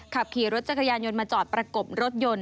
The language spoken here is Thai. ขับขี่รถจักรยานยนต์มาจอดประกบรถยนต์